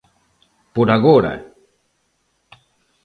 ¡Por agora!